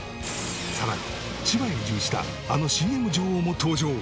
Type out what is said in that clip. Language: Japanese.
さらに千葉へ移住したあのＣＭ女王も登場。